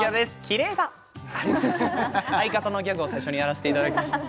キレイだ相方のギャグを最初にやらせていただきました